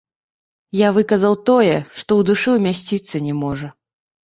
Я выказаў тое, што ў душы ўмясціцца не можа.